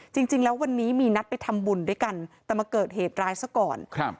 จริงแล้ววันนี้มีนัดไปทำบุญด้วยกันแต่มาเกิดเหตุร้ายซะก่อนครับ